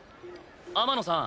天野さん